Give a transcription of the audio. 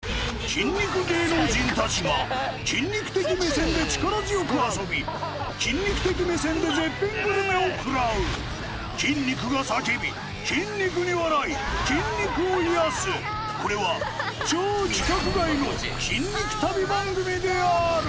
筋肉芸能人たちが筋肉的目線で力強く遊び筋肉的目線で絶品グルメを食らう筋肉が叫び筋肉に笑い筋肉を癒やすこれは超規格外の筋肉旅番組である！